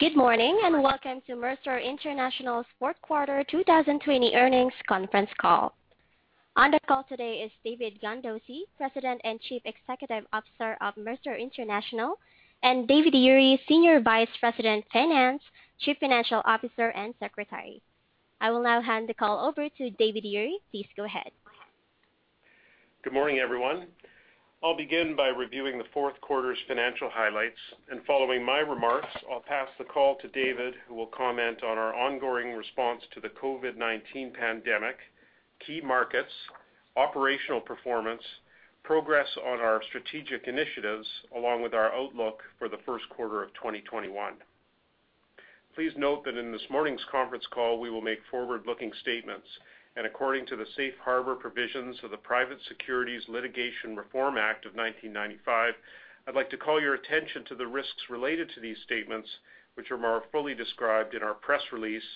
Good morning and welcome to Mercer International's Fourth Quarter 2020 Earnings Conference Call. On the call today is David Gandossi, President and Chief Executive Officer of Mercer International, and David Ure, Senior Vice President Finance, Chief Financial Officer, and Secretary. I will now hand the call over to David Ure. Please go ahead. Good morning, everyone. I'll begin by reviewing the fourth quarter's financial highlights, and following my remarks, I'll pass the call to David, who will comment on our ongoing response to the COVID-19 pandemic, key markets, operational performance, progress on our strategic initiatives, along with our outlook for the first quarter of 2021. Please note that in this morning's conference call, we will make forward-looking statements, and according to the Safe Harbor Provisions of the Private Securities Litigation Reform Act of 1995, I'd like to call your attention to the risks related to these statements, which are more fully described in our press release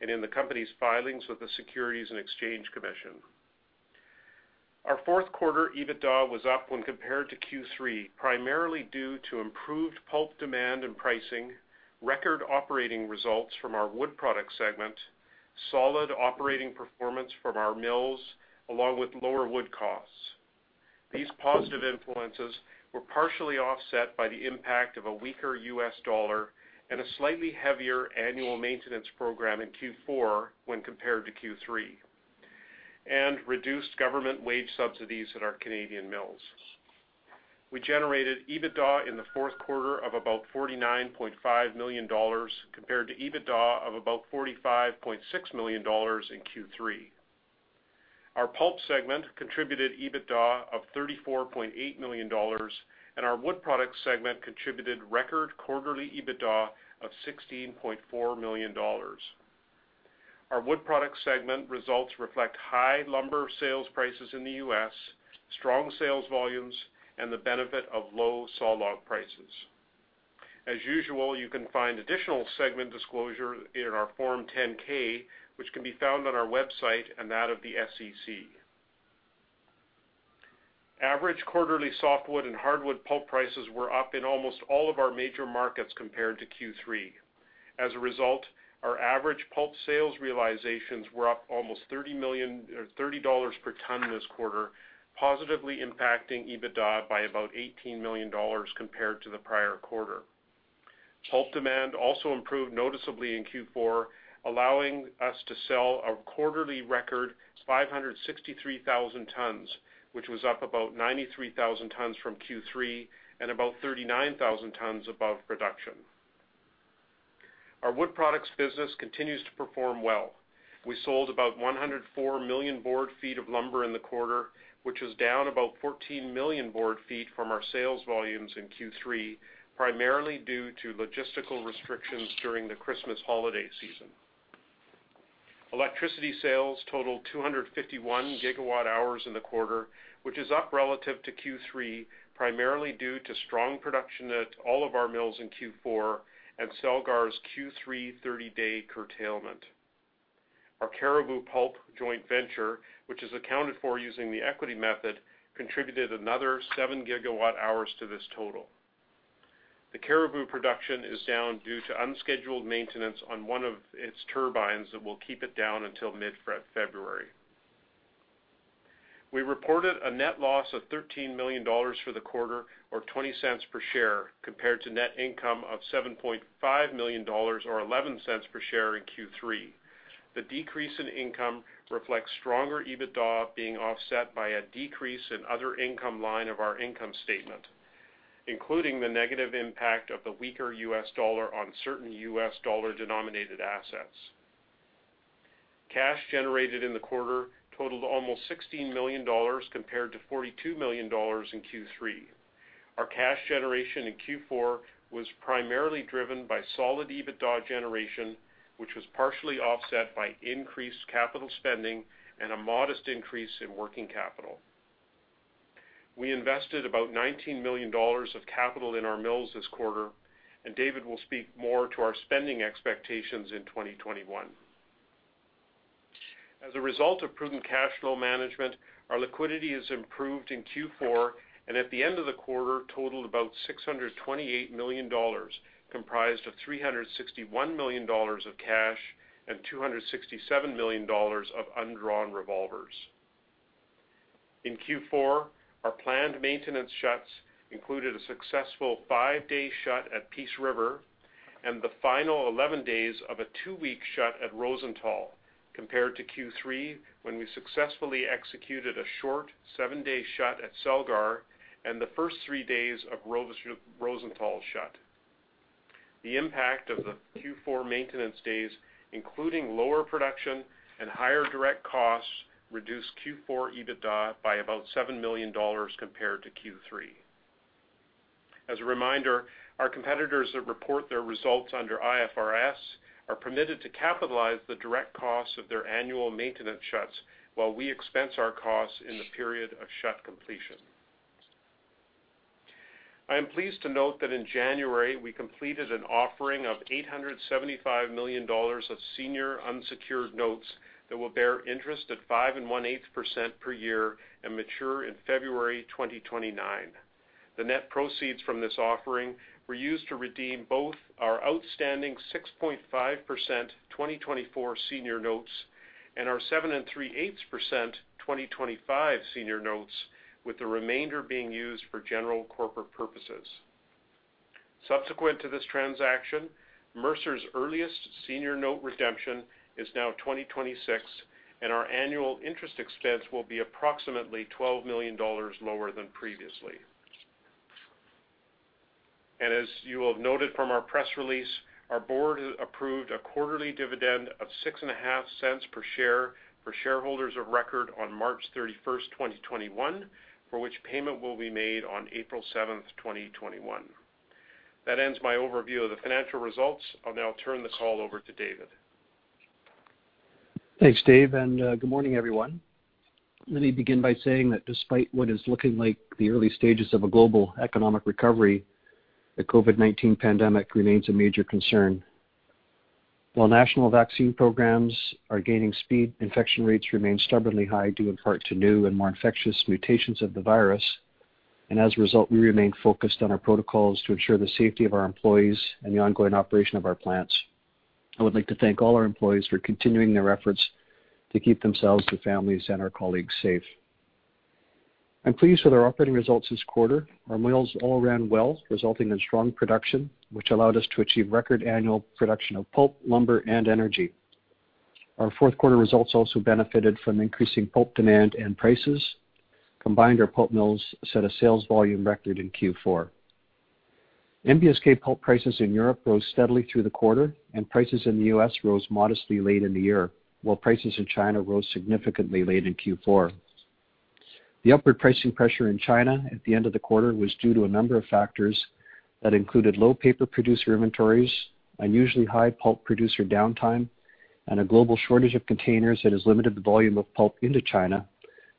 and in the company's filings with the Securities and Exchange Commission. Our fourth quarter EBITDA was up when compared to Q3, primarily due to improved pulp demand and pricing, record operating results from our wood product segment, solid operating performance from our mills, along with lower wood costs. These positive influences were partially offset by the impact of a weaker U.S. dollar and a slightly heavier annual maintenance program in Q4 when compared to Q3, and reduced government wage subsidies at our Canadian mills. We generated EBITDA in the fourth quarter of about $49.5 million compared to EBITDA of about $45.6 million in Q3. Our pulp segment contributed EBITDA of $34.8 million, and our wood product segment contributed record quarterly EBITDA of $16.4 million. Our wood product segment results reflect high lumber sales prices in the U.S., strong sales volumes, and the benefit of low saw log prices. As usual, you can find additional segment disclosure in our Form 10-K, which can be found on our website and that of the SEC. Average quarterly softwood and hardwood pulp prices were up in almost all of our major markets compared to Q3. As a result, our average pulp sales realizations were up almost $30 per ton this quarter, positively impacting EBITDA by about $18 million compared to the prior quarter. Pulp demand also improved noticeably in Q4, allowing us to sell a quarterly record 563,000 tons, which was up about 93,000 tons from Q3 and about 39,000 tons above production. Our wood products business continues to perform well. We sold about 104 million board feet of lumber in the quarter, which is down about 14 million board feet from our sales volumes in Q3, primarily due to logistical restrictions during the Christmas holiday season. Electricity sales totaled 251 gigawatt hours in the quarter, which is up relative to Q3, primarily due to strong production at all of our mills in Q4 and Celgar's Q3 30-day curtailment. Our Cariboo Pulp Joint Venture, which is accounted for using the equity method, contributed another 7 gigawatt hours to this total. The Cariboo production is down due to unscheduled maintenance on one of its turbines that will keep it down until mid-February. We reported a net loss of $13 million for the quarter, or $0.20 per share, compared to net income of $7.5 million or $0.11 per share in Q3. The decrease in income reflects stronger EBITDA being offset by a decrease in other income line of our income statement, including the negative impact of the weaker US dollar on certain US dollar-denominated assets. Cash generated in the quarter totaled almost $16 million compared to $42 million in Q3. Our cash generation in Q4 was primarily driven by solid EBITDA generation, which was partially offset by increased capital spending and a modest increase in working capital. We invested about $19 million of capital in our mills this quarter, and David will speak more to our spending expectations in 2021. As a result of prudent cash flow management, our liquidity has improved in Q4 and at the end of the quarter totaled about $628 million, comprised of $361 million of cash and $267 million of undrawn revolvers. In Q4, our planned maintenance shuts included a successful five-day shut at Peace River and the final 11 days of a two-week shut at Rosenthal, compared to Q3 when we successfully executed a short seven-day shut at Celgar and the first three days of Rosenthal shut. The impact of the Q4 maintenance days, including lower production and higher direct costs, reduced Q4 EBITDA by about $7 million compared to Q3. As a reminder, our competitors that report their results under IFRS are permitted to capitalize the direct costs of their annual maintenance shuts while we expense our costs in the period of shut completion. I am pleased to note that in January, we completed an offering of $875 million of senior unsecured notes that will bear interest at 5.18% per year and mature in February 2029. The net proceeds from this offering were used to redeem both our outstanding 6.5% 2024 senior notes and our 7.38% 2025 senior notes, with the remainder being used for general corporate purposes. Subsequent to this transaction, Mercer's earliest senior note redemption is now 2026, and our annual interest expense will be approximately $12 million lower than previously. As you have noted from our press release, our board approved a quarterly dividend of $0.065 per share for shareholders of record on March 31, 2021, for which payment will be made on April 7, 2021. That ends my overview of the financial results. I'll now turn the call over to David. Thanks, Dave, and good morning, everyone. Let me begin by saying that despite what is looking like the early stages of a global economic recovery, the COVID-19 pandemic remains a major concern. While national vaccine programs are gaining speed, infection rates remain stubbornly high due in part to new and more infectious mutations of the virus, and as a result, we remain focused on our protocols to ensure the safety of our employees and the ongoing operation of our plants. I would like to thank all our employees for continuing their efforts to keep themselves, their families, and our colleagues safe. I'm pleased with our operating results this quarter. Our mills all ran well, resulting in strong production, which allowed us to achieve record annual production of pulp, lumber, and energy. Our fourth quarter results also benefited from increasing pulp demand and prices. Combined, our pulp mills set a sales volume record in Q4. NBSK pulp prices in Europe rose steadily through the quarter, and prices in the US rose modestly late in the year, while prices in China rose significantly late in Q4. The upward pricing pressure in China at the end of the quarter was due to a number of factors that included low paper producer inventories, unusually high pulp producer downtime, and a global shortage of containers that has limited the volume of pulp into China,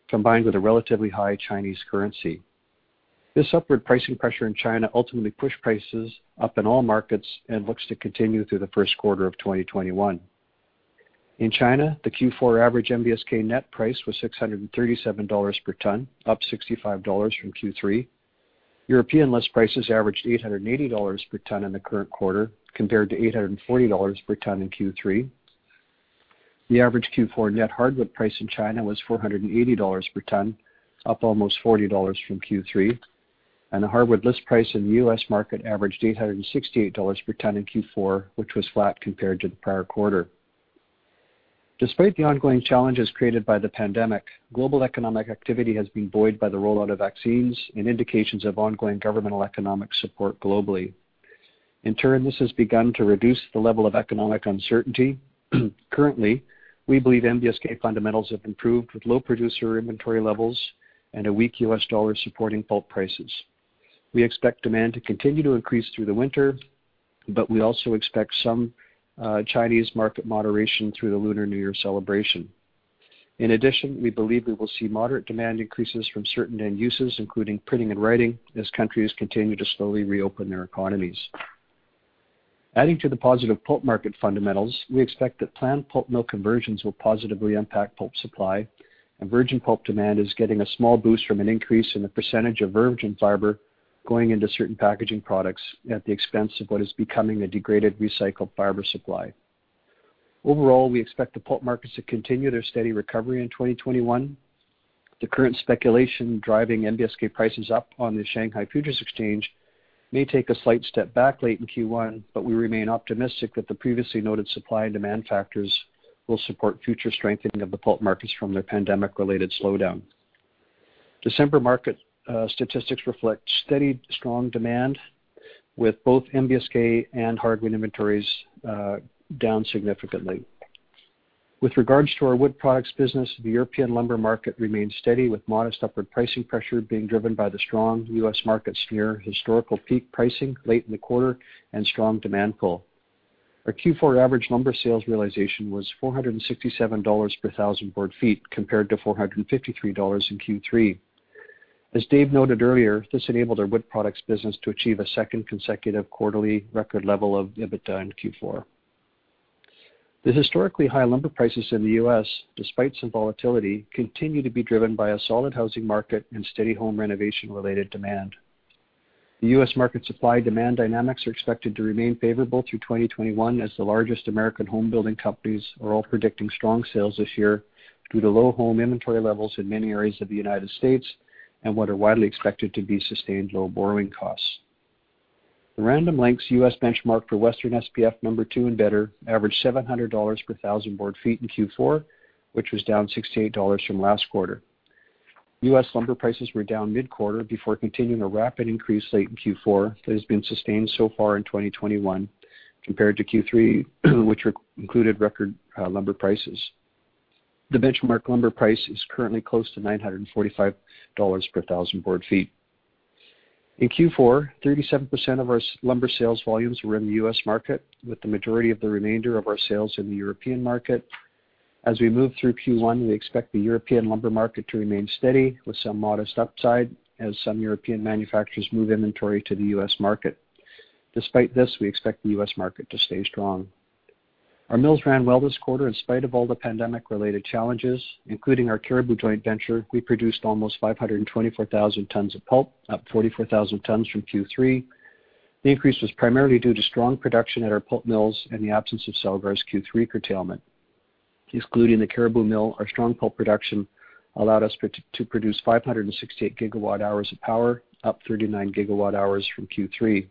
combined with a relatively high Chinese currency. This upward pricing pressure in China ultimately pushed prices up in all markets and looks to continue through the first quarter of 2021. In China, the Q4 average NBSK net price was $637 per ton, up $65 from Q3. European list prices averaged $880 per ton in the current quarter, compared to $840 per ton in Q3. The average Q4 net hardwood price in China was $480 per ton, up almost $40 from Q3, and the hardwood list price in the U.S. market averaged $868 per ton in Q4, which was flat compared to the prior quarter. Despite the ongoing challenges created by the pandemic, global economic activity has been buoyed by the rollout of vaccines and indications of ongoing governmental economic support globally. In turn, this has begun to reduce the level of economic uncertainty. Currently, we believe NBSK fundamentals have improved with low producer inventory levels and a weak U.S. dollar supporting pulp prices. We expect demand to continue to increase through the winter, but we also expect some Chinese market moderation through the Lunar New Year celebration. In addition, we believe we will see moderate demand increases from certain end uses, including printing and writing, as countries continue to slowly reopen their economies. Adding to the positive pulp market fundamentals, we expect that planned pulp mill conversions will positively impact pulp supply, and virgin pulp demand is getting a small boost from an increase in the percentage of virgin fiber going into certain packaging products at the expense of what is becoming a degraded recycled fiber supply. Overall, we expect the pulp markets to continue their steady recovery in 2021. The current speculation driving NBSK prices up on the Shanghai Futures Exchange may take a slight step back late in Q1, but we remain optimistic that the previously noted supply and demand factors will support future strengthening of the pulp markets from their pandemic-related slowdown. December market statistics reflect steady, strong demand, with both NBSK and hardwood inventories down significantly. With regards to our wood products business, the European lumber market remains steady, with modest upward pricing pressure being driven by the strong U.S. market, near historical peak pricing late in the quarter, and strong demand pull. Our Q4 average lumber sales realization was $467 per thousand board feet, compared to $453 in Q3. As Dave noted earlier, this enabled our wood products business to achieve a second consecutive quarterly record level of EBITDA in Q4. The historically high lumber prices in the U.S., despite some volatility, continue to be driven by a solid housing market and steady home renovation-related demand. The U.S. market supply-demand dynamics are expected to remain favorable through 2021, as the largest American home building companies are all predicting strong sales this year due to low home inventory levels in many areas of the United States and what are widely expected to be sustained low borrowing costs. The Random Lengths U.S. benchmark for Western SPF number two and better averaged $700 per thousand board feet in Q4, which was down $68 from last quarter. U.S. lumber prices were down mid-quarter before continuing a rapid increase late in Q4 that has been sustained so far in 2021 compared to Q3, which included record lumber prices. The benchmark lumber price is currently close to $945 per thousand board feet. In Q4, 37% of our lumber sales volumes were in the U.S. market, with the majority of the remainder of our sales in the European market. As we move through Q1, we expect the European lumber market to remain steady with some modest upside as some European manufacturers move inventory to the U.S. market. Despite this, we expect the U.S. market to stay strong. Our mills ran well this quarter in spite of all the pandemic-related challenges, including our Cariboo Joint Venture. We produced almost 524,000 tons of pulp, up 44,000 tons from Q3. The increase was primarily due to strong production at our pulp mills and the absence of Celgar's Q3 curtailment. Excluding the Cariboo mill, our strong pulp production allowed us to produce 568 gigawatt hours of power, up 39 gigawatt hours from Q3.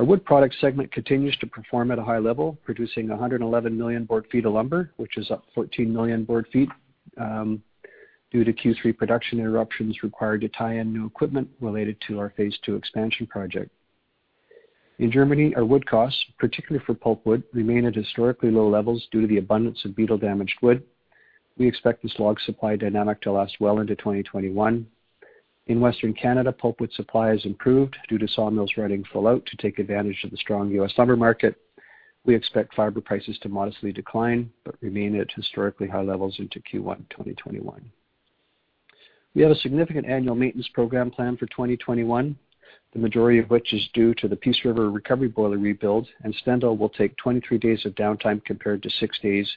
Our wood products segment continues to perform at a high level, producing 111 million board feet of lumber, which is up 14 million board feet due to Q3 production interruptions required to tie in new equipment related to our phase two expansion project. In Germany, our wood costs, particularly for pulp wood, remain at historically low levels due to the abundance of beetle-damaged wood. We expect this log supply dynamic to last well into 2021. In Western Canada, pulp wood supply has improved due to sawmills running full out to take advantage of the strong U.S. lumber market. We expect fiber prices to modestly decline but remain at historically high levels into Q1 2021. We have a significant annual maintenance program planned for 2021, the majority of which is due to the Peace River recovery boiler rebuild, and Stendal will take 23 days of downtime compared to 6 days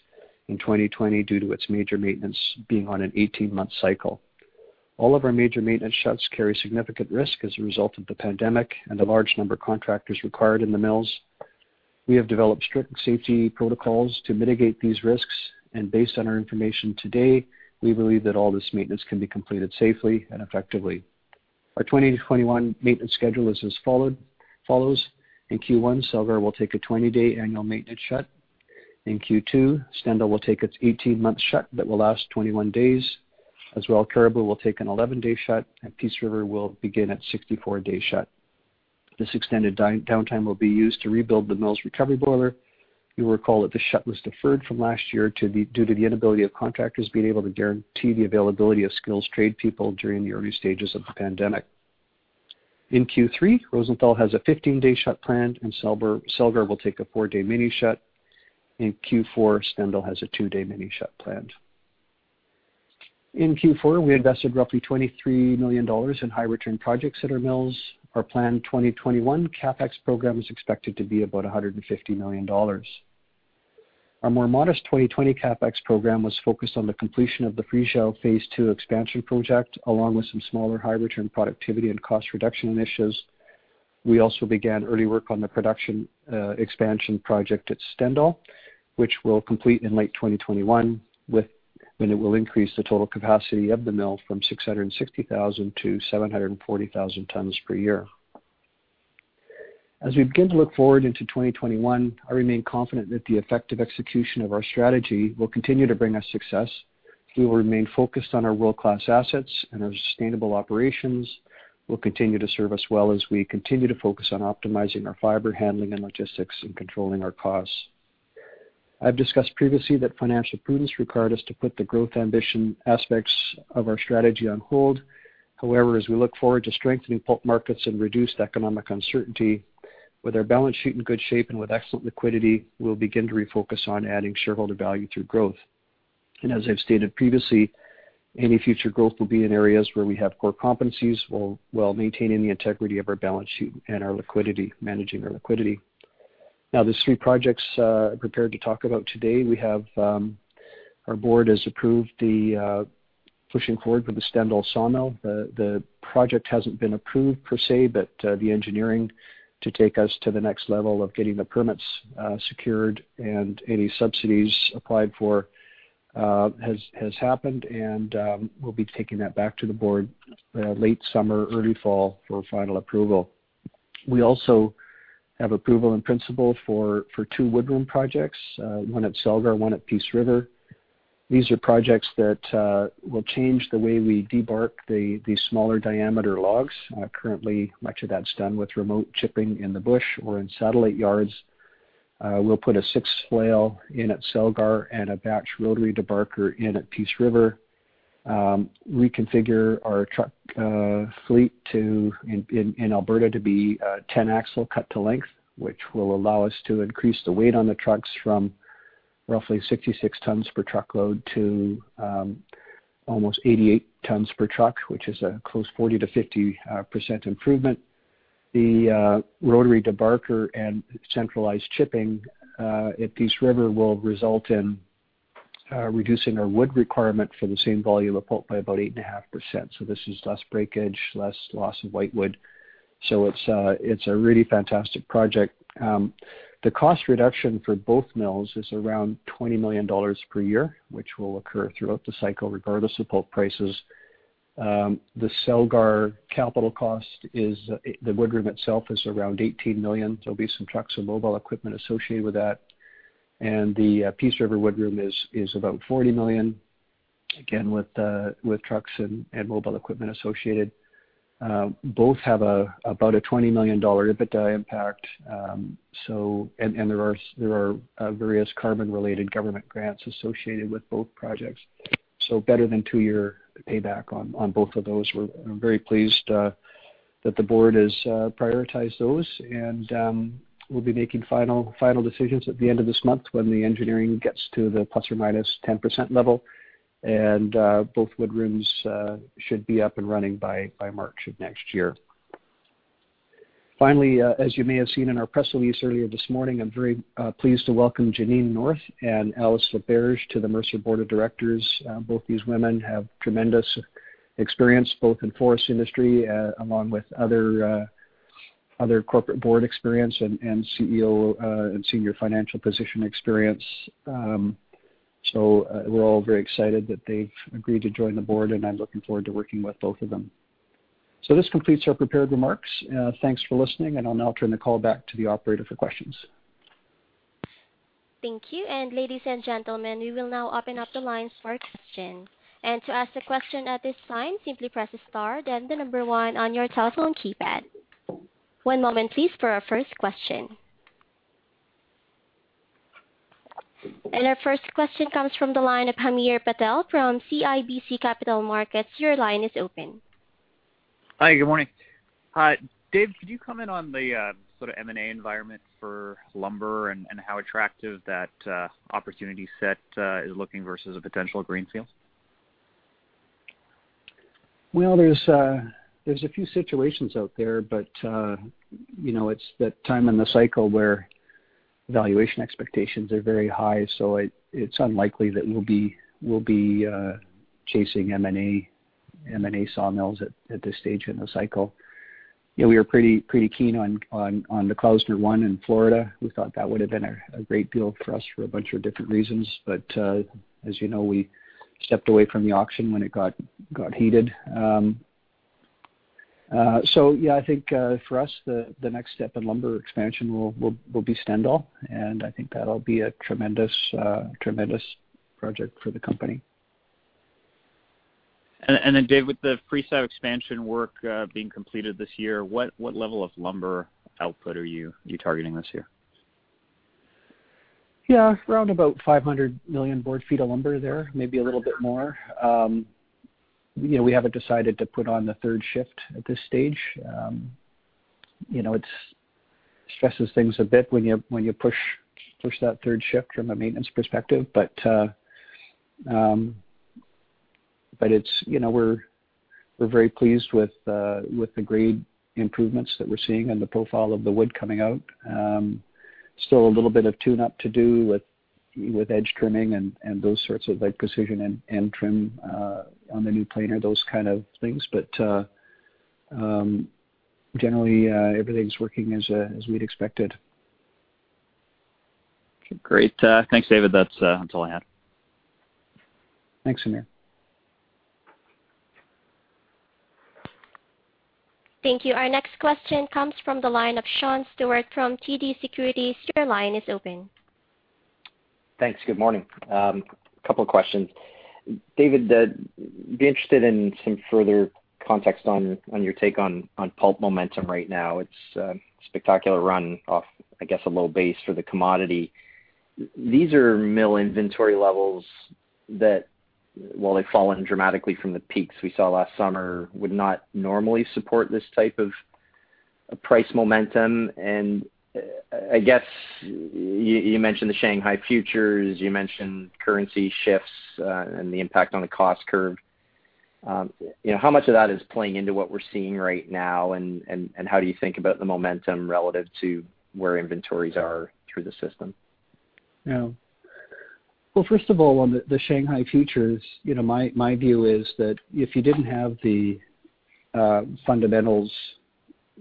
in 2020 due to its major maintenance being on an 18-month cycle. All of our major maintenance shuts carry significant risk as a result of the pandemic and the large number of contractors required in the mills. We have developed strict safety protocols to mitigate these risks, and based on our information today, we believe that all this maintenance can be completed safely and effectively. Our 2021 maintenance schedule is as follows. In Q1, Celgar will take a 20-day annual maintenance shut. In Q2, Stendal will take its 18-month shut that will last 21 days, as well as Cariboo will take an 11-day shut, and Peace River will begin its 64-day shut. This extended downtime will be used to rebuild the mill's recovery boiler. You will recall that this shut was deferred from last year due to the inability of contractors being able to guarantee the availability of skilled trade people during the early stages of the pandemic. In Q3, Rosenthal has a 15-day shut planned, and Celgar will take a four-day mini shut. In Q4, Stendal has a two-day mini shut planned. In Q4, we invested roughly $23 million in high-return projects at our mills. Our planned 2021 CapEx program is expected to be about $150 million. Our more modest 2020 CapEx program was focused on the completion of the Friesau phase two expansion project, along with some smaller high-return productivity and cost reduction initiatives. We also began early work on the production expansion project at Stendal, which we'll complete in late 2021, when it will increase the total capacity of the mill from 660,000 to 740,000 tons per year. As we begin to look forward into 2021, I remain confident that the effective execution of our strategy will continue to bring us success. We will remain focused on our world-class assets and our sustainable operations. We'll continue to serve us well as we continue to focus on optimizing our fiber handling and logistics and controlling our costs. I've discussed previously that financial prudence required us to put the growth ambition aspects of our strategy on hold. However, as we look forward to strengthening pulp markets and reduced economic uncertainty, with our balance sheet in good shape and with excellent liquidity, we'll begin to refocus on adding shareholder value through growth. As I've stated previously, any future growth will be in areas where we have core competencies while maintaining the integrity of our balance sheet and our liquidity, managing our liquidity. Now, there's three projects I prepared to talk about today. Our board has approved the pushing forward for the Stendal sawmill. The project hasn't been approved per se, but the engineering to take us to the next level of getting the permits secured and any subsidies applied for has happened, and we'll be taking that back to the board late summer, early fall for final approval. We also have approval in principle for two wood room projects, one at Celgar, one at Peace River. These are projects that will change the way we debark the smaller diameter logs. Currently, much of that's done with remote chipping in the bush or in satellite yards. We'll put a six-flail in at Celgar and a batch rotary debarker at Peace River. Reconfigure our truck fleet in Alberta to be 10-axle cut-to-length, which will allow us to increase the weight on the trucks from roughly 66 tons per truckload to almost 88 tons per truck, which is a close 40%-50% improvement. The rotary debarker and centralized chipping at Peace River will result in reducing our wood requirement for the same volume of pulp by about 8.5%. So this is less breakage, less loss of white wood. So it's a really fantastic project. The cost reduction for both mills is around $20 million per year, which will occur throughout the cycle regardless of pulp prices. The Celgar capital cost is the wood room itself is around $18 million. There'll be some trucks and mobile equipment associated with that. The Peace River wood room is about $40 million, again, with trucks and mobile equipment associated. Both have about a $20 million EBITDA impact. There are various carbon-related government grants associated with both projects. Better than two-year payback on both of those. We're very pleased that the board has prioritized those. We'll be making final decisions at the end of this month when the engineering gets to the plus or minus 10% level. Both wood rooms should be up and running by March of next year. Finally, as you may have seen in our press release earlier this morning, I'm very pleased to welcome Janine North and Alice Laberge to the Mercer Board of Directors. Both these women have tremendous experience both in forest industry along with other corporate board experience and CEO and senior financial position experience. So we're all very excited that they've agreed to join the board, and I'm looking forward to working with both of them. So this completes our prepared remarks. Thanks for listening, and I'll now turn the call back to the operator for questions. Thank you. And ladies and gentlemen, we will now open up the lines for questions. And to ask a question at this time, simply press the star, then the number one on your telephone keypad. One moment, please, for our first question. And our first question comes from the line of Hamir Patel from CIBC Capital Markets. Your line is open. Hi, good morning. Hi, Dave, could you comment on the sort of M&A environment for lumber and how attractive that opportunity set is looking versus a potential greenfield? There's a few situations out there, but it's that time in the cycle where valuation expectations are very high. So it's unlikely that we'll be chasing M&A sawmills at this stage in the cycle. We were pretty keen on the Klausner One in Florida. We thought that would have been a great deal for us for a bunch of different reasons. But as you know, we stepped away from the auction when it got heated. So yeah, I think for us, the next step in lumber expansion will be Stendal, and I think that'll be a tremendous project for the company. Then, Dave, with the Friesau expansion work being completed this year, what level of lumber output are you targeting this year? Yeah, around about 500 million board feet of lumber there, maybe a little bit more. We haven't decided to put on the third shift at this stage. It stresses things a bit when you push that third shift from a maintenance perspective. But we're very pleased with the grade improvements that we're seeing and the profile of the wood coming out. Still a little bit of tune-up to do with edge trimming and those sorts of precision and trim on the new planer, those kind of things. But generally, everything's working as we'd expected. Okay, great. Thanks, David. That's all I had. Thanks, Hamir. Thank you. Our next question comes from the line of Sean Steuart from TD Securities. Your line is open. Thanks. Good morning. A couple of questions. David, I'd be interested in some further context on your take on pulp momentum right now. It's a spectacular run off, I guess, a low base for the commodity. These are mill inventory levels that, while they've fallen dramatically from the peaks we saw last summer, would not normally support this type of price momentum. I guess you mentioned the Shanghai futures. You mentioned currency shifts and the impact on the cost curve. How much of that is playing into what we're seeing right now, and how do you think about the momentum relative to where inventories are through the system? First of all, on the Shanghai futures, my view is that if you didn't have the fundamentals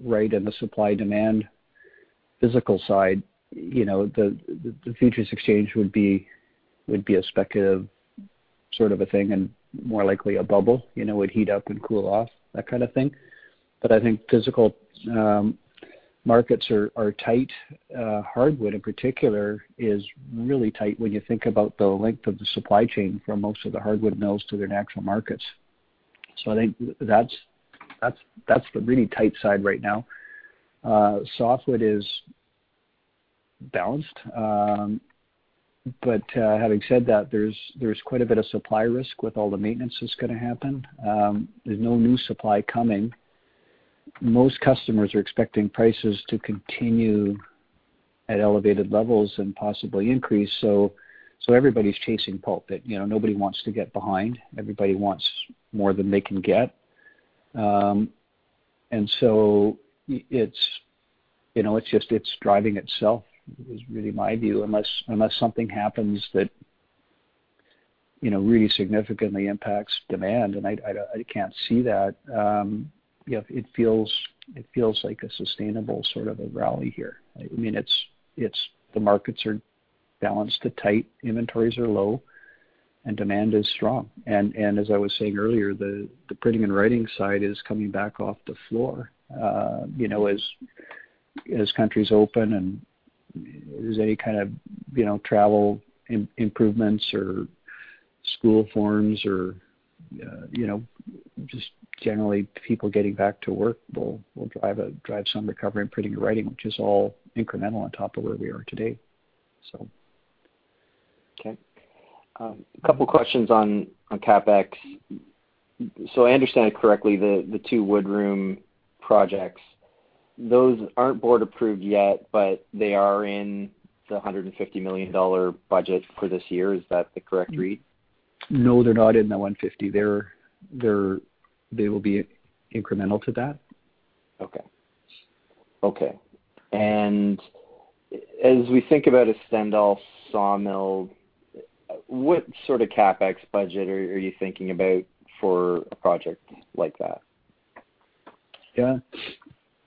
right and the supply-demand physical side, the futures exchange would be a speculative sort of a thing and more likely a bubble, it would heat up and cool off, that kind of thing, but I think physical markets are tight. Hardwood, in particular, is really tight when you think about the length of the supply chain from most of the hardwood mills to their natural markets. So I think that's the really tight side right now. Softwood is balanced, but having said that, there's quite a bit of supply risk with all the maintenance that's going to happen. There's no new supply coming. Most customers are expecting prices to continue at elevated levels and possibly increase, so everybody's chasing pulp. Nobody wants to get behind. Everybody wants more than they can get, and so it's just driving itself, is really my view, unless something happens that really significantly impacts demand, and I can't see that. It feels like a sustainable sort of a rally here. I mean, the markets are balanced to tight, inventories are low, and demand is strong. As I was saying earlier, the printing and writing side is coming back off the floor as countries open. And if there's any kind of travel improvements or school forms or just generally people getting back to work will drive some recovery in printing and writing, which is all incremental on top of where we are today, so. Okay. A couple of questions on CapEx. So I understand it correctly, the two wood room projects, those aren't board-approved yet, but they are in the $150 million budget for this year. Is that the correct read? No, they're not in the 150. They will be incremental to that. Okay. Okay. And as we think about a Stendal sawmill, what sort of CapEx budget are you thinking about for a project like that? Yeah.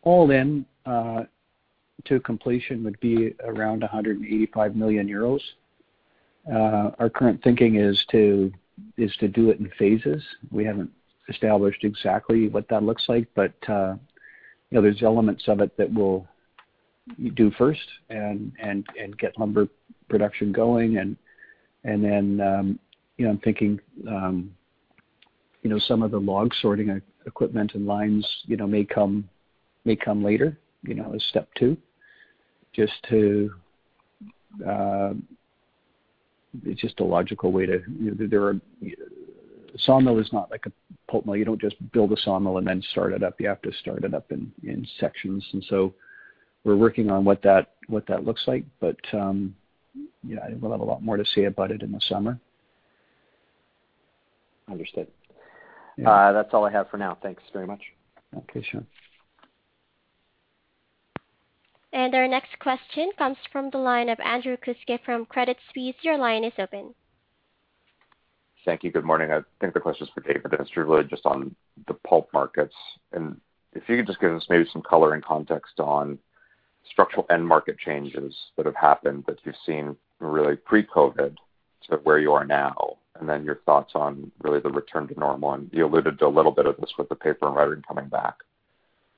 All in to completion would be around €185 million. Our current thinking is to do it in phases. We haven't established exactly what that looks like, but there's elements of it that we'll do first and get lumber production going. And then I'm thinking some of the log sorting equipment and lines may come later as step two. It's just a logical way. A sawmill is not like a pulp mill. You don't just build a sawmill and then start it up. You have to start it up in sections. And so we're working on what that looks like. But yeah, we'll have a lot more to say about it in the summer. Understood. That's all I have for now. Thanks very much. Okay, Sean. And our next question comes from the line of Andrew Kuske from Credit Suisse. Your line is open. Thank you. Good morning. I think the question is for David. It's really just on the pulp markets. And if you could just give us maybe some color and context on structural end market changes that have happened that you've seen really pre-COVID to where you are now, and then your thoughts on really the return to normal. And you alluded to a little bit of this with the paper and writing coming back.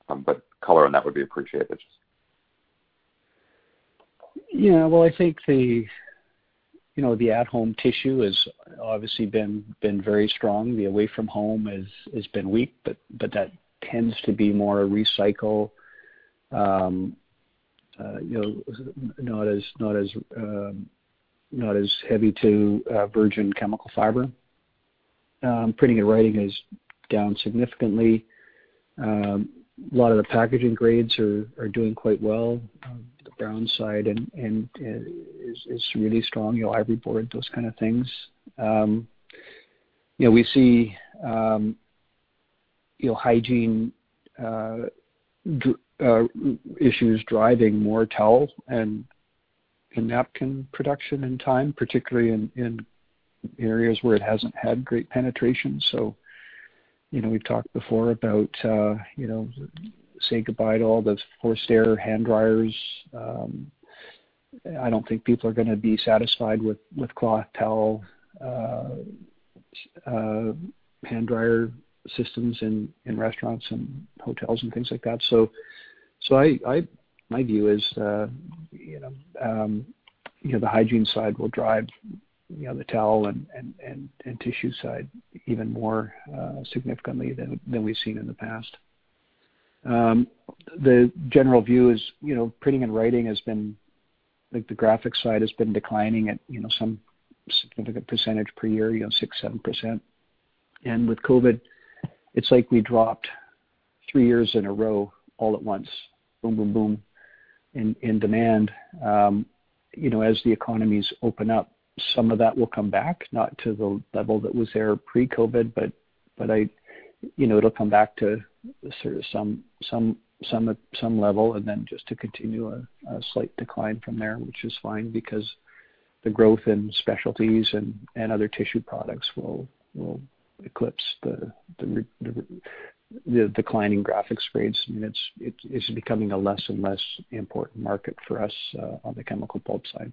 But color on that would be appreciated. Yeah. Well, I think the at-home tissue has obviously been very strong. The away from home has been weak, but that tends to be more recycle, not as heavy to virgin chemical fiber. Printing and writing is down significantly. A lot of the packaging grades are doing quite well. The brown side is really strong. Ivory board, those kind of things. We see hygiene issues driving more towel and napkin production in time, particularly in areas where it hasn't had great penetration. We've talked before about saying goodbye to all the forced air hand dryers. I don't think people are going to be satisfied with cloth towel hand dryer systems in restaurants and hotels and things like that. My view is the hygiene side will drive the towel and tissue side even more significantly than we've seen in the past. The general view is printing and writing, the graphic side, has been declining at some significant percentage per year, 6-7%. With COVID, it's like we dropped three years in a row all at once, boom, boom, boom, in demand. As the economies open up, some of that will come back, not to the level that was there pre-COVID, but it'll come back to sort of some level. And then just to continue a slight decline from there, which is fine because the growth in specialties and other tissue products will eclipse the declining graphics grades. I mean, it's becoming a less and less important market for us on the chemical pulp side.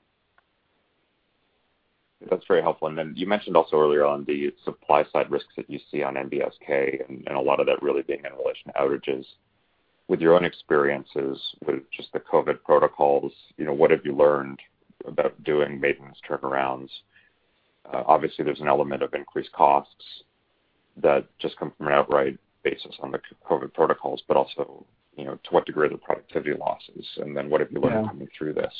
That's very helpful. And then you mentioned also earlier on the supply side risks that you see on NBSK and a lot of that really being in relation to outages. With your own experiences with just the COVID protocols, what have you learned about doing maintenance turnarounds? Obviously, there's an element of increased costs that just come from an outright basis on the COVID protocols, but also to what degree are the productivity losses? And then what have you learned coming through this?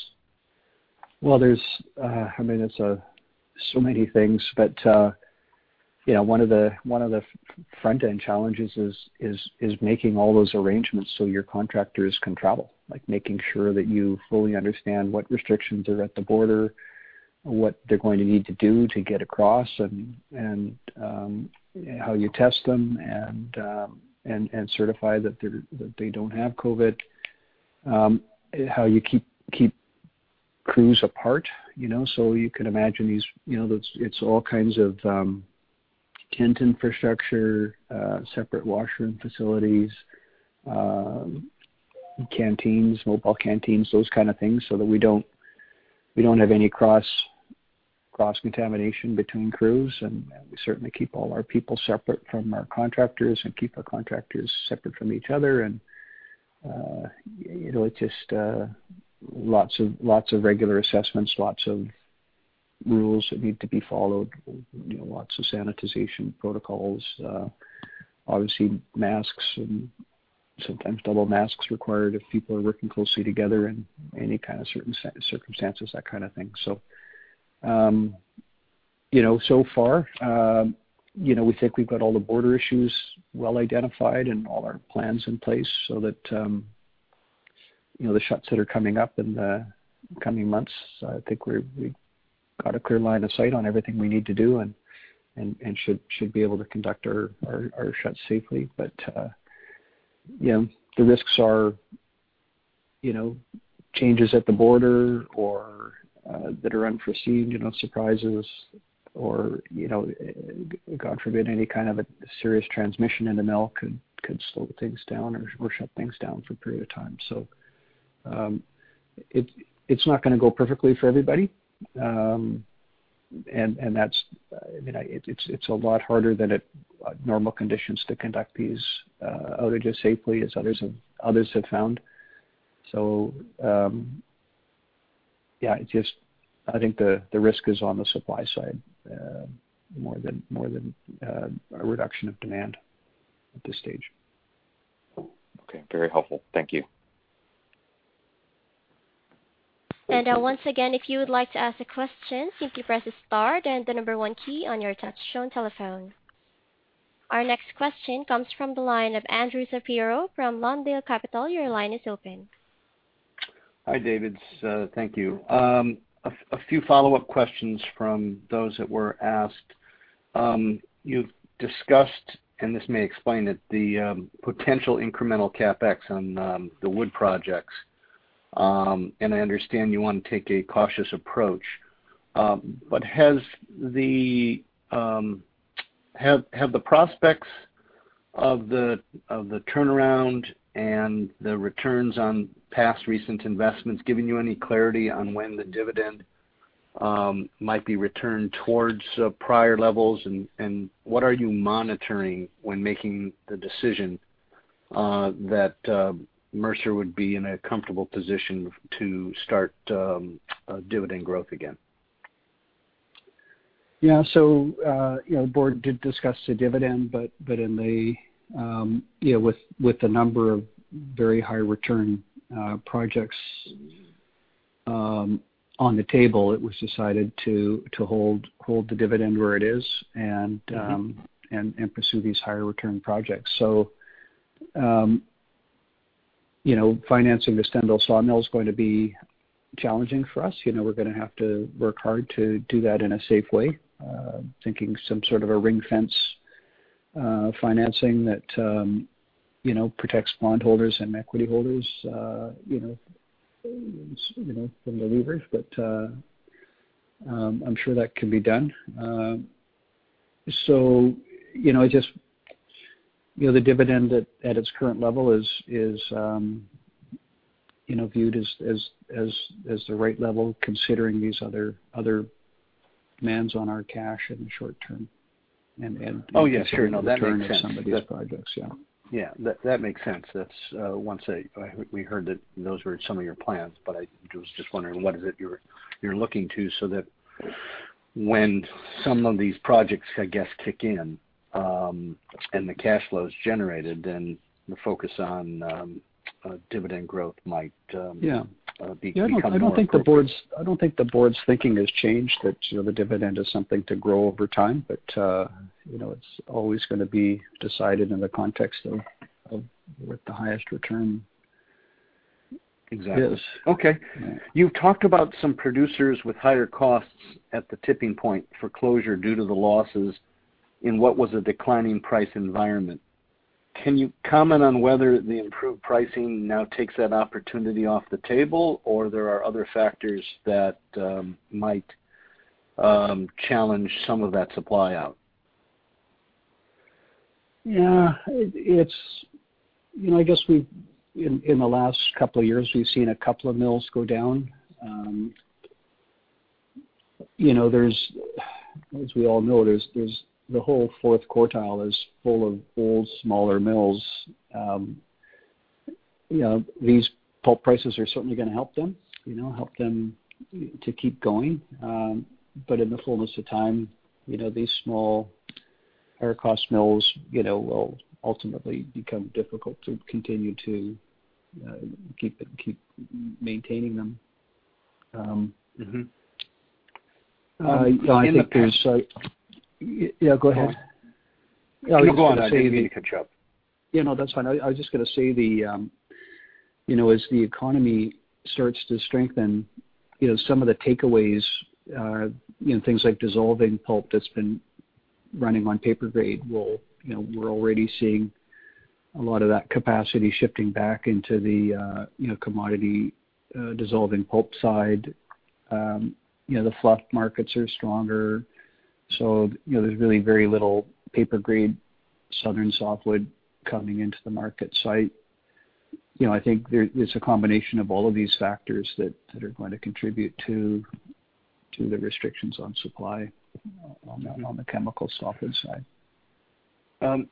Well, I mean, it's so many things. But one of the front-end challenges is making all those arrangements so your contractors can travel, making sure that you fully understand what restrictions are at the border, what they're going to need to do to get across, and how you test them and certify that they don't have COVID, how you keep crews apart. So you can imagine it's all kinds of tent infrastructure, separate washroom facilities, canteens, mobile canteens, those kind of things so that we don't have any cross-contamination between crews. And we certainly keep all our people separate from our contractors and keep our contractors separate from each other. And it's just lots of regular assessments, lots of rules that need to be followed, lots of sanitization protocols, obviously masks, and sometimes double masks required if people are working closely together in any kind of certain circumstances, that kind of thing. So far, we think we've got all the border issues well identified and all our plans in place so that the shuts that are coming up in the coming months, I think we've got a clear line of sight on everything we need to do and should be able to conduct our shuts safely, but the risks are changes at the border that are unforeseen, surprises, or God forbid, any kind of a serious transmission in the mill could slow things down or shut things down for a period of time, so it's not going to go perfectly for everybody, and I mean, it's a lot harder than normal conditions to conduct these outages safely, as others have found, so yeah, I think the risk is on the supply side more than a reduction of demand at this stage. Okay. Very helpful. Thank you. And once again, if you would like to ask a question, simply press star and the number one key on your touchscreen telephone. Our next question comes from the line of Andrew Shapiro from Lawndale Capital. Your line is open. Hi, David. Thank you. A few follow-up questions from those that were asked. You've discussed, and this may explain it, the potential incremental CapEx on the wood projects. And I understand you want to take a cautious approach. But have the prospects of the turnaround and the returns on past recent investments given you any clarity on when the dividend might be returned towards prior levels? And what are you monitoring when making the decision that Mercer would be in a comfortable position to start dividend growth again? Yeah. The board did discuss the dividend, but with a number of very high return projects on the table, it was decided to hold the dividend where it is and pursue these higher return projects. Financing the Stendal sawmill is going to be challenging for us. We're going to have to work hard to do that in a safe way, thinking some sort of a ring-fence financing that protects bondholders and equity holders from deliveries. But I'm sure that can be done. I just the dividend at its current level is viewed as the right level considering these other demands on our cash in the short term. That makes sense. Oh, yeah. Sure. No, that makes sense. Yeah. That makes sense. Once we heard that those were some of your plans, but I was just wondering what is it you're looking to so that when some of these projects, I guess, kick in and the cash flow is generated, then the focus on dividend growth might become more important. Yeah. I don't think the board's thinking has changed that the dividend is something to grow over time, but it's always going to be decided in the context of what the highest return is. Exactly. Okay. You've talked about some producers with higher costs at the tipping point for closure due to the losses in what was a declining price environment. Can you comment on whether the improved pricing now takes that opportunity off the table, or there are other factors that might challenge some of that supply out? Yeah. I guess in the last couple of years, we've seen a couple of mills go down. As we all know, the whole fourth quartile is full of old smaller mills. These pulp prices are certainly going to help them, help them to keep going. But in the fullness of time, these small higher-cost mills will ultimately become difficult to continue to keep maintaining them. I think there's, yeah, go ahead. No, go ahead. I didn't mean to cut you off. Yeah. No, that's fine. I was just going to say, as the economy starts to strengthen, some of the takeaways, things like dissolving pulp that's been running on paper grade, we're already seeing a lot of that capacity shifting back into the commodity dissolving pulp side. The fluff markets are stronger. So there's really very little paper-grade southern softwood coming into the market. So I think it's a combination of all of these factors that are going to contribute to the restrictions on supply on the chemical softwood side.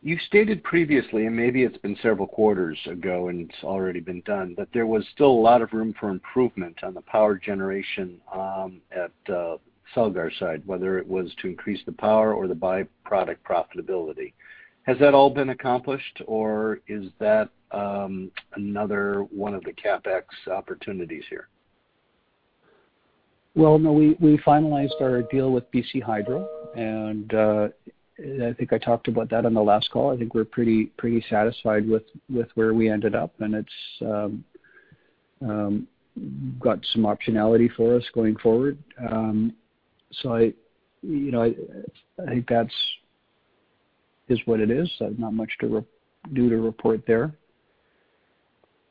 You stated previously, and maybe it's been several quarters ago and it's already been done, that there was still a lot of room for improvement on the power generation at the Celgar side, whether it was to increase the power or the byproduct profitability. Has that all been accomplished, or is that another one of the CapEx opportunities here? Well, no, we finalized our deal with BC Hydro, and I think I talked about that on the last call. I think we're pretty satisfied with where we ended up, and it's got some optionality for us going forward, so I think that's just what it is. There's not much to do to report there.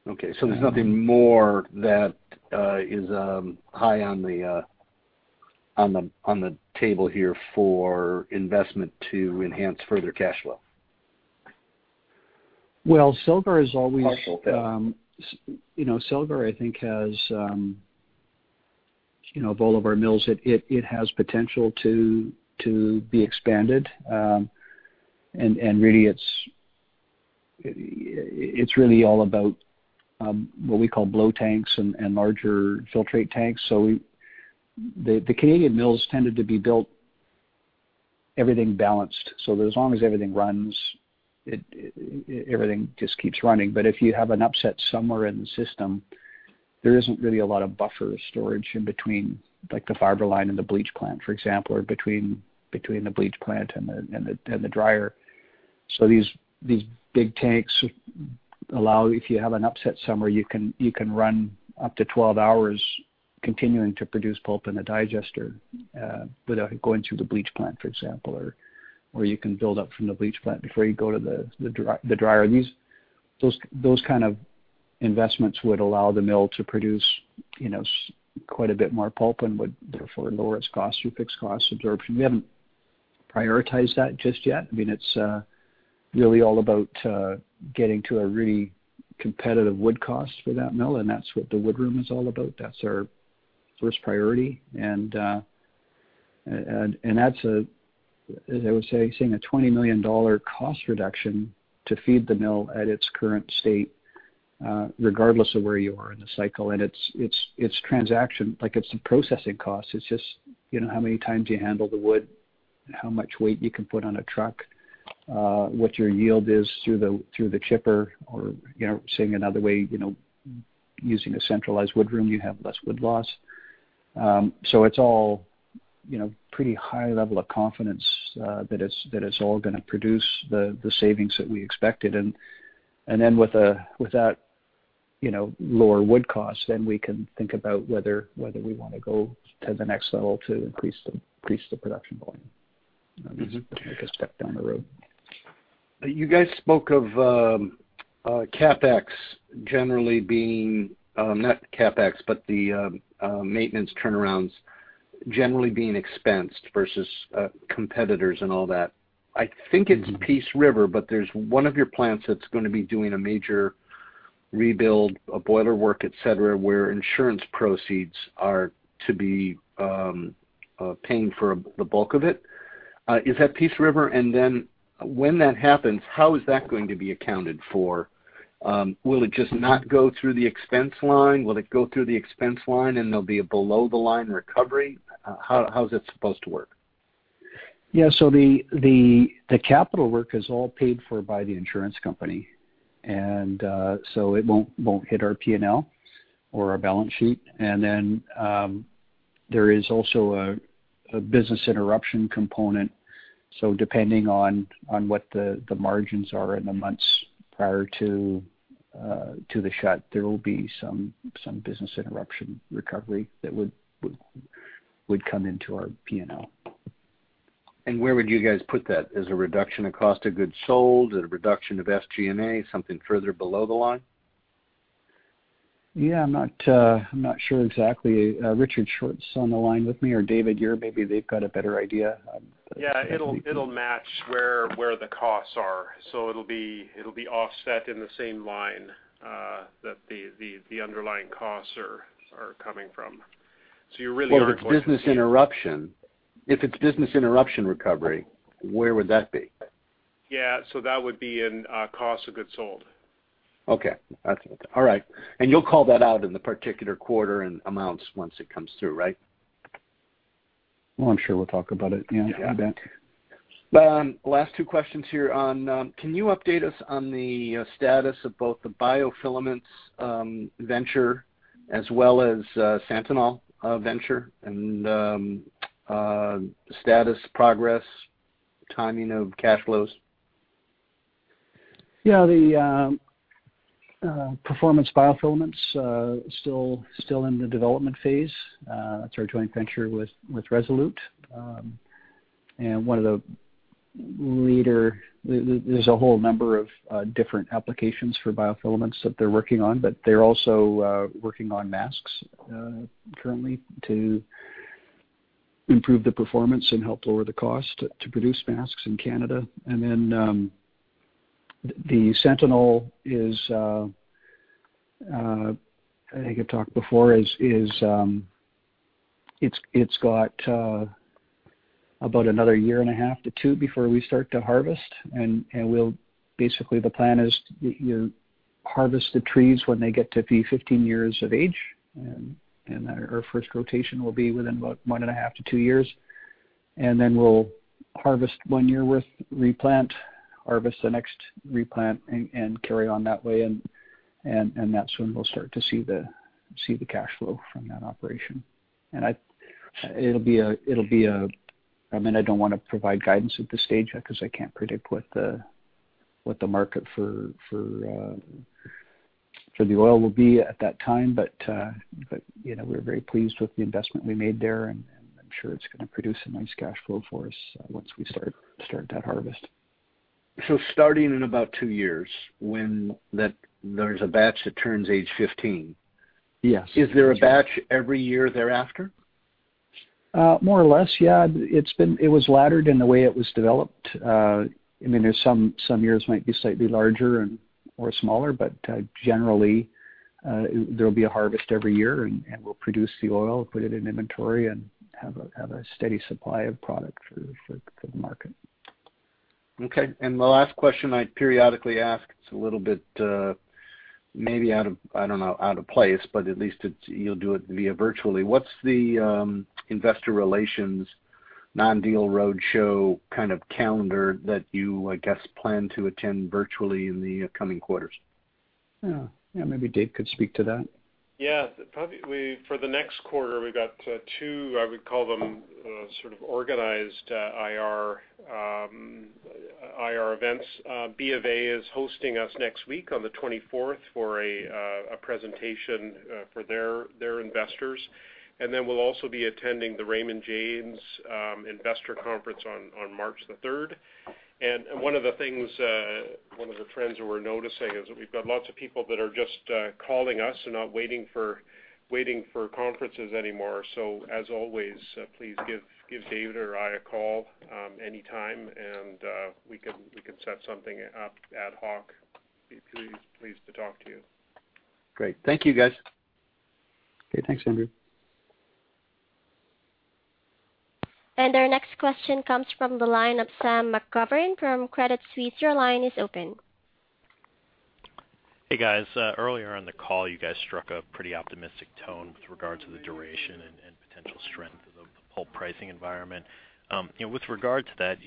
Okay. There's nothing more that is high on the table here for investment to enhance further cash flow? Well, Celgar is always partially full. Celgar, I think, has of all of our mills, it has potential to be expanded. And really, it's really all about what we call blow tanks and larger filtrate tanks. So the Canadian mills tended to be built everything balanced. So as long as everything runs, everything just keeps running. But if you have an upset somewhere in the system, there isn't really a lot of buffer storage in between the fiber line and the bleach plant, for example, or between the bleach plant and the dryer. So these big tanks allow, if you have an upset somewhere, you can run up to 12 hours continuing to produce pulp in the digester without going through the bleach plant, for example, or you can build up from the bleach plant before you go to the dryer. Those kind of investments would allow the mill to produce quite a bit more pulp and would therefore lower its costs or fix cost absorption. We haven't prioritized that just yet. I mean, it's really all about getting to a really competitive wood cost for that mill, and that's what the wood room is all about. That's our first priority. And that's, as I was saying, a $20 million cost reduction to feed the mill at its current state, regardless of where you are in the cycle. And it's transaction. It's the processing cost. It's just how many times you handle the wood, how much weight you can put on a truck, what your yield is through the chipper, or saying another way, using a centralized wood room, you have less wood loss. So it's all pretty high level of confidence that it's all going to produce the savings that we expected. And then with that lower wood cost, then we can think about whether we want to go to the next level to increase the production volume. That's a step down the road. You guys spoke of CapEx generally being not CapEx, but the maintenance turnarounds generally being expensed versus competitors and all that. I think it's Peace River, but there's one of your plants that's going to be doing a major rebuild, a boiler work, etc., where insurance proceeds are to be paying for the bulk of it. Is that Peace River? And then when that happens, how is that going to be accounted for? Will it just not go through the expense line? Will it go through the expense line and there'll be a below-the-line recovery? How is it supposed to work? Yeah. So the capital work is all paid for by the insurance company. And so it won't hit our P&L or our balance sheet. And then there is also a business interruption component. So depending on what the margins are in the months prior to the shut, there will be some business interruption recovery that would come into our P&L. And where would you guys put that? As a reduction of cost of goods sold, a reduction of FG&A, something further below the line? Yeah. I'm not sure exactly. Richard Short's on the line with me, or David, you're maybe they've got a better idea. Yeah. It'll match where the costs are. So it'll be offset in the same line that the underlying costs are coming from. So you're really on a quarterly basis. Well, if it's business interruption recovery, where would that be? Yeah. So that would be in cost of goods sold. Okay. That's it. All right. And you'll call that out in the particular quarter and amounts once it comes through, right? Well, I'm sure we'll talk about it. Yeah. I bet. Last two questions here on can you update us on the status of both the Biofilaments venture as well as Santinol venture and status progress, timing of cash flows? Yeah. The Performance Biofilaments is still in the development phase. That's our joint venture with Resolute. And one of the leaders, there's a whole number of different applications for Biofilaments that they're working on, but they're also working on masks currently to improve the performance and help lower the cost to produce masks in Canada. And then the Santanol, I think I've talked before, it's got about another year and a half to two before we start to harvest. And basically, the plan is you harvest the trees when they get to be 15 years of age. And our first rotation will be within about one and a half to two years. And then we'll harvest one year worth, replant, harvest the next replant, and carry on that way. And that's when we'll start to see the cash flow from that operation. And it'll be. I mean, I don't want to provide guidance at this stage because I can't predict what the market for the oil will be at that time. But we're very pleased with the investment we made there, and I'm sure it's going to produce a nice cash flow for us once we start that harvest. So starting in about two years when there's a batch that turns age 15. Is there a batch every year thereafter? More or less, yeah. It was laddered in the way it was developed. I mean, some years might be slightly larger or smaller, but generally, there'll be a harvest every year, and we'll produce the oil, put it in inventory, and have a steady supply of product for the market. Okay. And the last question I periodically ask, it's a little bit maybe out of, I don't know, out of place, but at least you'll do it via virtually. What's the investor relations non-deal roadshow kind of calendar that you, I guess, plan to attend virtually in the coming quarters? Yeah. Yeah. Maybe Dave could speak to that. Yeah. For the next quarter, we've got two, I would call them sort of organized IR events. B of A is hosting us next week on the 24th for a presentation for their investors. And then we'll also be attending the Raymond James Investor Conference on March the 3rd. And one of the things, one of the trends that we're noticing is that we've got lots of people that are just calling us and not waiting for conferences anymore. So as always, please give David or I a call anytime, and we can set something up ad hoc. We'd be pleased to talk to you. Great. Thank you, guys. Okay. Thanks, Andrew. And our next question comes from the line of Sam McGovern from Credit Suisse. Your line is open. Hey, guys. Earlier on the call, you guys struck a pretty optimistic tone with regard to the duration and potential strength of the pulp pricing environment. With regard to that,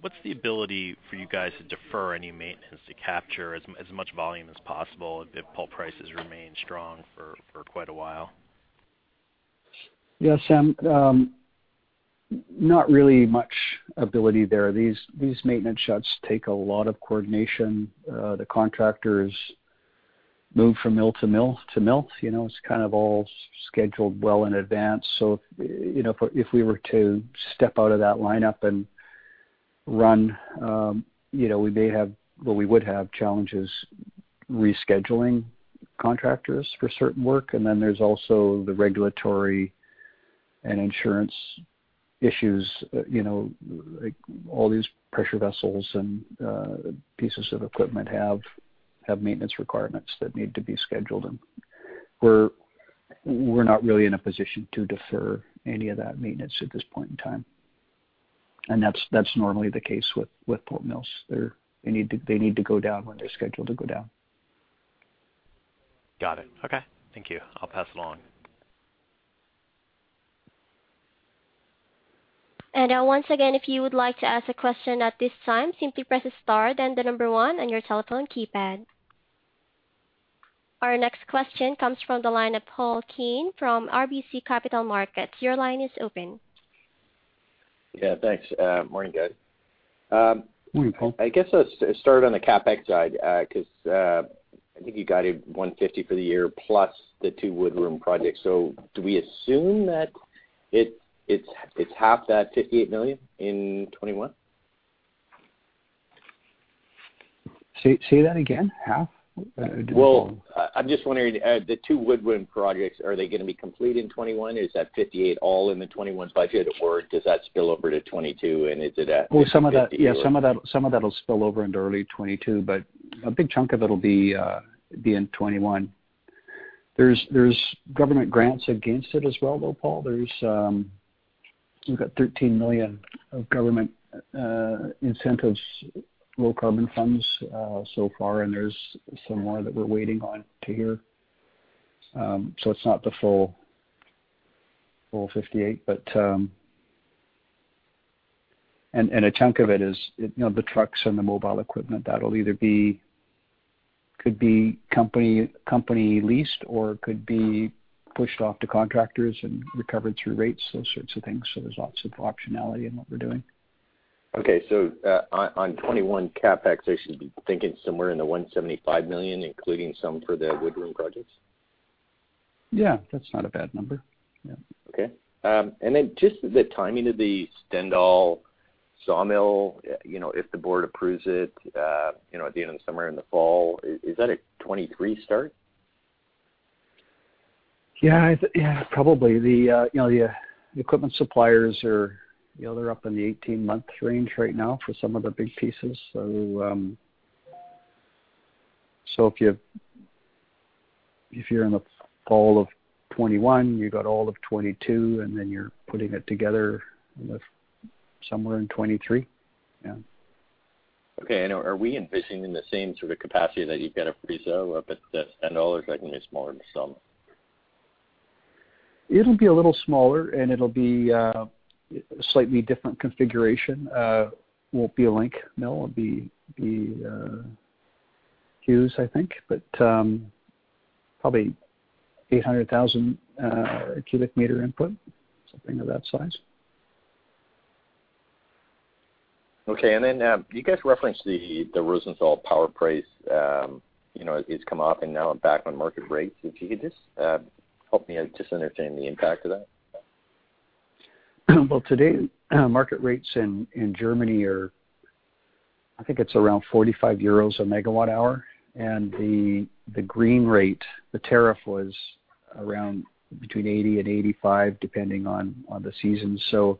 what's the ability for you guys to defer any maintenance to capture as much volume as possible if pulp prices remain strong for quite a while? Yeah. Sam, not really much ability there. These maintenance shuts take a lot of coordination. The contractors move from mill to mill to mill. It's kind of all scheduled well in advance. So if we were to step out of that lineup and run, we may have, well, we would have challenges rescheduling contractors for certain work. And then there's also the regulatory and insurance issues. All these pressure vessels and pieces of equipment have maintenance requirements that need to be scheduled. And we're not really in a position to defer any of that maintenance at this point in time. And that's normally the case with pulp mills. They need to go down when they're scheduled to go down. Got it. Okay. Thank you. I'll pass along. And once again, if you would like to ask a question at this time, simply press star and the number one on your telephone keypad. Our next question comes from the line of Paul Quinn from RBC Capital Markets. Your line is open. Yeah. Thanks. Morning, guys. Morning, Paul. I guess let's start on the CapEx side because I think you got it $150 million for the year plus the two wood room projects. So do we assume that it's half that $58 million in 2021? Say that again. Half? Well, I'm just wondering, the two wood room projects, are they going to be complete in 2021? Is that $58 million all in the 2021 budget, or does that spill over to 2022, and is it at $58 million? Well, some of that, yeah, some of that will spill over into early 2022, but a big chunk of it will be in 2021. There's government grants against it as well, though, Paul. We've got $13 million of government incentives, low carbon funds so far, and there's some more that we're waiting on to hear. So it's not the full $58 million, but a chunk of it is the trucks and the mobile equipment. That'll either be could be company leased or could be pushed off to contractors and recovered through rates, those sorts of things. So there's lots of optionality in what we're doing. Okay. So on 2021, CapEx, I should be thinking somewhere in the $175 million, including some for the wood room projects? Yeah. That's not a bad number. Yeah. Okay. And then just the timing of the Stendal sawmill, if the board approves it at the end of the summer and the fall, is that a 2023 start? Yeah. Yeah. Probably. The equipment suppliers, they're up in the 18-month range right now for some of the big pieces. So if you're in the fall of 2021, you've got all of 2022, and then you're putting it together somewhere in 2023. Yeah. Okay. Are we envisioning the same sort of capacity that you've got at Friesau up at Stendal or is that going to be smaller than some? It'll be a little smaller, and it'll be a slightly different configuration. It won't be a link mill. It'll be Hughes, I think, but probably 800,000 cubic meter input, something of that size. Okay. And then you guys referenced the Rosenthal power price has come up and now back on market rates. If you could just help me just understand the impact of that. Today, market rates in Germany are I think it's around 45 euros a megawatt hour. And the green rate, the tariff was around between 80 and 85, depending on the season. So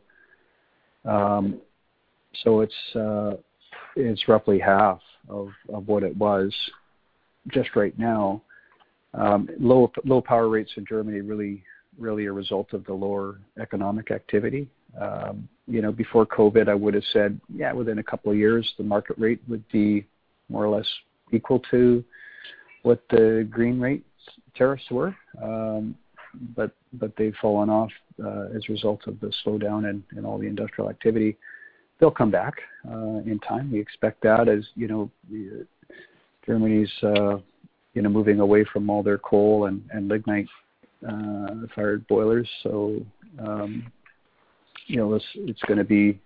it's roughly half of what it was just right now. Low power rates in Germany are really a result of the lower economic activity. Before COVID, I would have said, "Yeah, within a couple of years, the market rate would be more or less equal to what the green rate tariffs were." But they've fallen off as a result of the slowdown in all the industrial activity. They'll come back in time. We expect that as Germany's moving away from all their coal and lignite-fired boilers. So it's going to be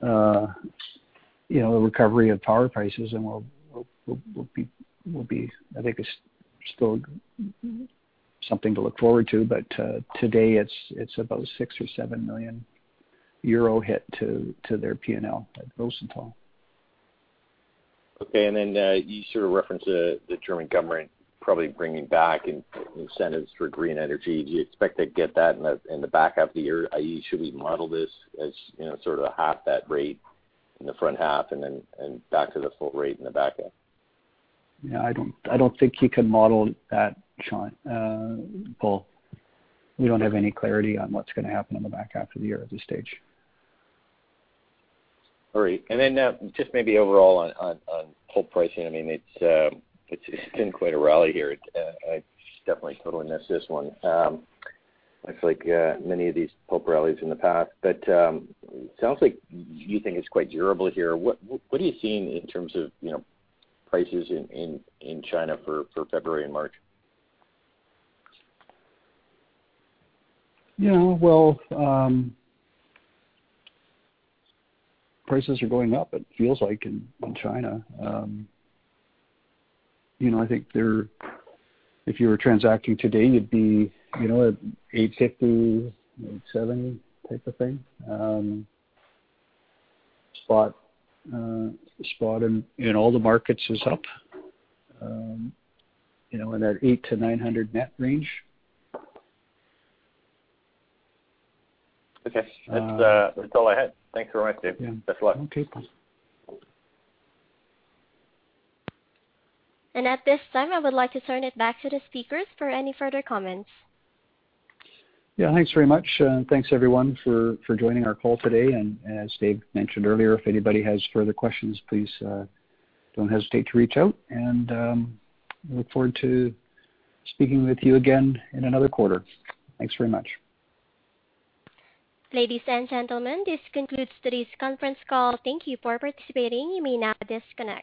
the recovery of power prices, and we'll be, I think, still something to look forward to. But today, it's about 6-7 million euro hit to their P&L at Rosenthal. Okay. And then you sort of referenced the German government probably bringing back incentives for green energy. Do you expect to get that in the back half of the year? Should we model this as sort of half that rate in the front half and then back to the full rate in the back half? Yeah. I don't think you can model that, Sean, Paul. We don't have any clarity on what's going to happen in the back half of the year at this stage. All right. And then just maybe overall on pulp pricing, I mean, it's been quite a rally here. I definitely totally missed this one. Looks like many of these pulp rallies in the past. But it sounds like you think it's quite durable here. What are you seeing in terms of prices in China for February and March? Yeah. Well, prices are going up, it feels like, in China. I think if you were transacting today, you'd be at 850-870 type of thing. Spot in all the markets is up in that 800-900 net range. Okay. That's all I had. Thanks very much, Dave. Best of luck. Okay. Bye. And at this time, I would like to turn it back to the speakers for any further comments. Yeah. Thanks very much. And thanks, everyone, for joining our call today. And as Dave mentioned earlier, if anybody has further questions, please don't hesitate to reach out. And we look forward to speaking with you again in another quarter. Thanks very much. Ladies and gentlemen, this concludes today's conference call. Thank you for participating. You may now disconnect.